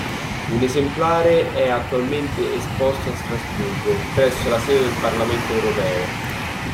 Un esemplare è attualmente esposto a Strasburgo, presso la sede del Parlamento europeo.